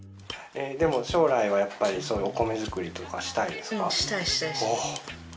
将来はやっぱりお米作りとかしたいですか？